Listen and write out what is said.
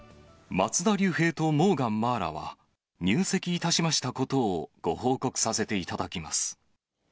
松田龍平とモーガン茉愛羅は、入籍いたしましたことをご報告させていただきます。